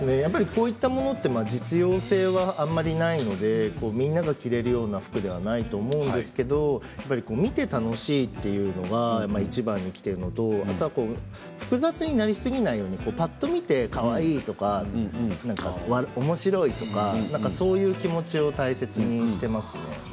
こういったものは実用性はあまりないのでみんなが着れるような服ではないと思うんですけども見て楽しいというのがいちばんにきているのと複雑になりすぎないようにぱっと見てかわいいとかおもしろいとかそういう気持ちを大切にしていますね。